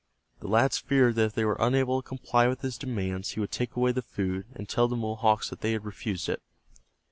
The lads feared that if they were unable to comply with his demands he would take away the food, and tell the Mohawks that they had refused it.